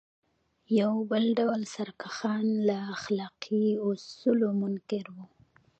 یو بل ډول سرکښان له اخلاقي اصولو منکر وو.